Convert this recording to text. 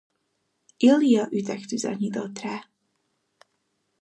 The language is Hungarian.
Ilija üteg tüzet nyitott rá.